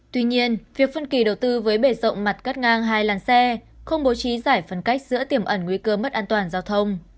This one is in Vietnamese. tuy nhiên việc phân kỳ đầu tư với bể rộng mặt cắt ngang hai làn xe không bố trí giải phân cách giữa tiềm ẩn nguy cơ mất an toàn giao thông